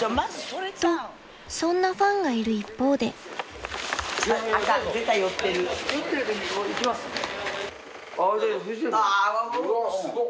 ［とそんなファンがいる一方で］うわすごっ。